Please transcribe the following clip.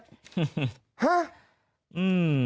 ฮะ